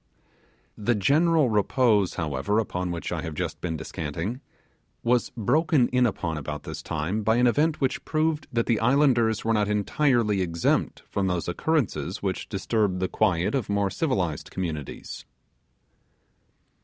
The general repose, however, upon which I have just been descanting, was broken in upon about this time by an event which proved that the islanders were not entirely exempt from those occurrences which disturb the quiet of more civilized communities.